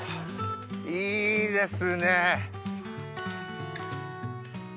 いいですね！